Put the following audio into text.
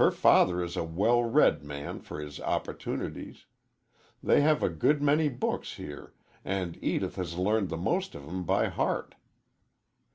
Her father is a well read man for his opportunities. They have a good many books here, and Edith has learned the most of them by heart.